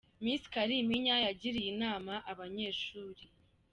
Miss Kalimpinya yagiriye inama aba banyeshuri.